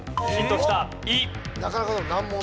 なかなかの難問。